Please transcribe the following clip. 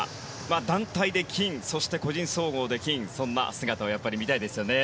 団体で金、個人総合で金そんな姿を見たいですよね。